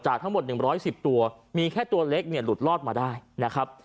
ทั้งหมด๑๑๐ตัวมีแค่ตัวเล็กเนี่ยหลุดรอดมาได้นะครับ